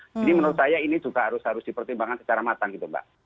jadi menurut saya ini juga harus dipertimbangkan secara matang gitu mbak